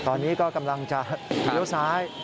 ตอนนี้ก็กำลังจะเลี้ยวซ้าย